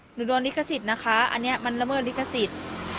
โดนลิขสิทธิ์นะคะอันนี้มันละเมิดลิขสิทธิ์